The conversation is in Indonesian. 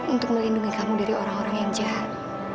untuk melindungi kamu dari orang orang yang jahat